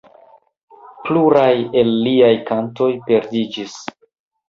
Pluraj el liaj kantoj perdiĝis.